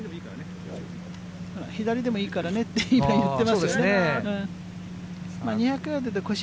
左でもいいからねって今、言ってますね。